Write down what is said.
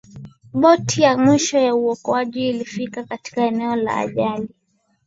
boti ya mwisho ya uokoaji ilifika katika eneo la ajali